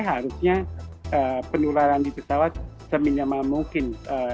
harusnya penularan di pesawat seminyama mungkin